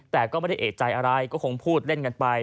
แต่ก็ไม่ได้เอกใจอะไรก็คงพูดเล่นกันไป